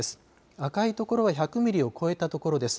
赤い所１００ミリを超えたところです。